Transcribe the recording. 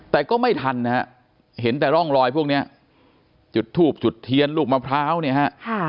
แต่ก็ไม่ทันนะฮะเห็นแต่ร่องรอยพวกเนี้ยจุดทูบจุดเทียนลูกมะพร้าวเนี่ยฮะ